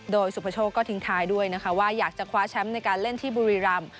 โดยสุภาโชคก็ทิ้งท้ายด้วยนะคะว่าอยากจะคว้าแชมป์ในการเล่นที่บุรีรำ